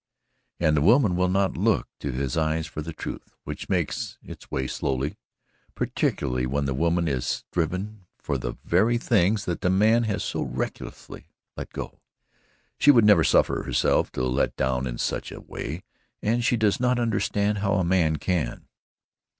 And the woman will not look to his eyes for the truth which makes its way slowly particularly when the woman has striven for the very things that the man has so recklessly let go. She would never suffer herself to let down in such a way and she does not understand how a man can.